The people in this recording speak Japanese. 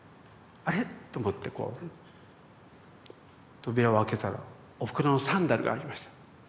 「あれ？」と思ってこう扉を開けたらおふくろのサンダルがありました。